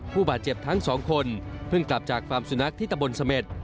ผู้บาดเจ็บทั้งสองคนเพิ่งกลับจากฟาร์มสุนัขที่ตะบนเสม็ด